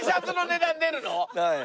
はい。